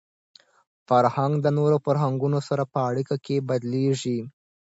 فرهنګ د نورو فرهنګونو سره په اړیکه کي بدلېږي.